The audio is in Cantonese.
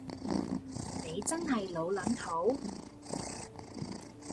你真係老撚土